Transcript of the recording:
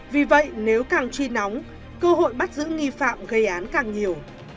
vì vậy nếu càng truy nóng cơ hội bắt giữ nghi phạm gây án càng nhiều